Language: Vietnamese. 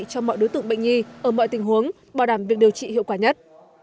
cho mọi đối tượng bệnh nhi ở mọi tình huống bảo đảm việc điều trị hiệu quả nhất